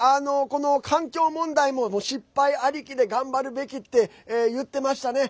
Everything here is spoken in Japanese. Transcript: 環境問題も失敗あり気でって言ってましたね。